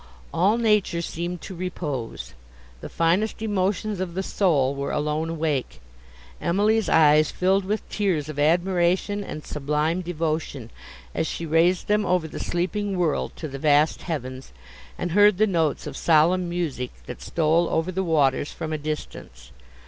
All nature seemed to repose; the finest emotions of the soul were alone awake. Emily's eyes filled with tears of admiration and sublime devotion, as she raised them over the sleeping world to the vast heavens, and heard the notes of solemn music, that stole over the waters from a distance.